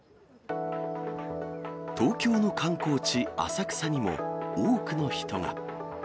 東京の観光地、浅草にも、多くの人が。